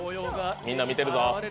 みんな見てるぞ。